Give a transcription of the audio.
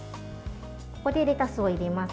ここでレタスを入れます。